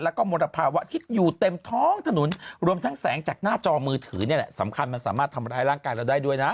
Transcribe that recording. แล้วก็มลภาวะที่อยู่เต็มท้องถนนรวมทั้งแสงจากหน้าจอมือถือนี่แหละสำคัญมันสามารถทำร้ายร่างกายเราได้ด้วยนะ